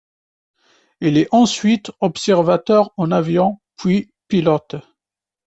Il est ensuite observateur en avion puis pilote.